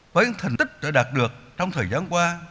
với những thành tích đã đạt được trong thời gian qua